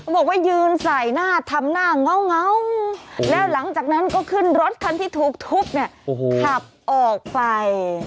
บอกว่ายืนใส่หน้าทำหน้าเงาแล้วหลังจากนั้นก็ขึ้นรถคันที่ถูกทุบเนี่ยขับออกไป